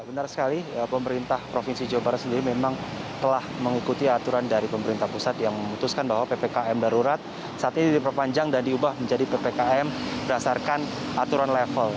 benar sekali pemerintah provinsi jawa barat sendiri memang telah mengikuti aturan dari pemerintah pusat yang memutuskan bahwa ppkm darurat saat ini diperpanjang dan diubah menjadi ppkm berdasarkan aturan level